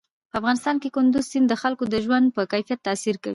په افغانستان کې کندز سیند د خلکو د ژوند په کیفیت تاثیر کوي.